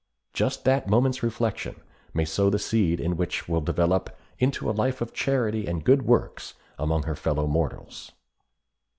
Just that moment's reflection may sow the seed which will develop into a life of charity and good works among her fellow mortals.